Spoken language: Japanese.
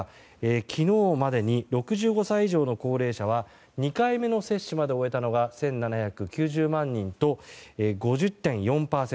昨日までに６５歳以上の高齢者は２回目の接種まで終えたのが１７９０万人、５０．４％。